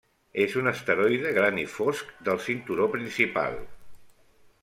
És un asteroide gran i fosc del cinturó principal.